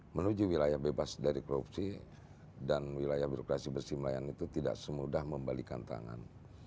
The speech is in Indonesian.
menuju wilayah bebas dari korupsi dan wilayah birokrasi bersih melayani itu tidak semudah membalikan tangan